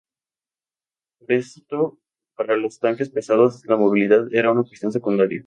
Por esto para los tanques pesados la movilidad era una cuestión secundaria.